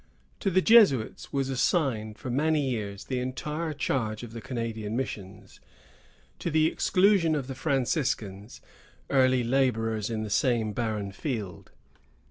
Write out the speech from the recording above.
To the Jesuits was assigned, for many years, the entire charge of the Canadian missions, to the exclusion of the Franciscans, early laborers in the same barren field.